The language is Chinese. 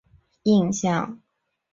都对这幅画留下了深刻的印象